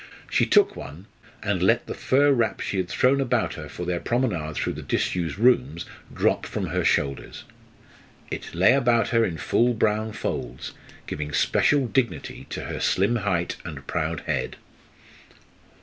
She took one and let the fur wrap she had thrown about her for their promenade through the disused rooms drop from her shoulders. It lay about her in full brown folds, giving special dignity to her slim height and proud head.